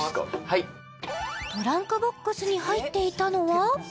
はいトランクボックスに入っていたのは？